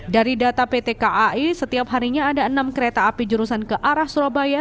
dari data pt kai setiap harinya ada enam kereta api jurusan ke arah surabaya